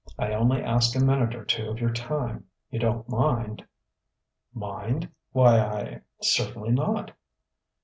"I only ask a minute or two of your time. You don't mind?" "Mind? Why, I certainly not."